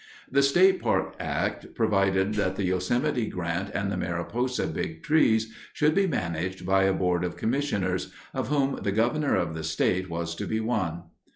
The State Park Act provided that the Yosemite Grant and the Mariposa Big Trees should be managed by a board of commissioners, of whom the governor of the state was to be one.